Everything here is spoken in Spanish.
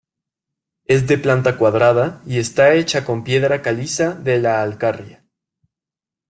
Es de planta cuadrada y está hecha con piedra caliza de la Alcarria.